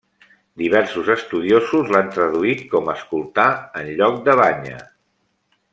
Diversos estudiosos l'han traduït com 'escoltar' en lloc de 'banya'.